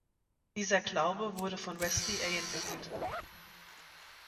Dieser Glaube wurde von Wesley A. entwickelt.